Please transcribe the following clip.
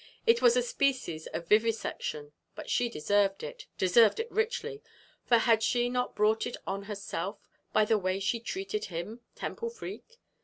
It was a species of vivisection, but she deserved it deserved it richly for had she not brought it on herself by the way she treated him, Temple Freke?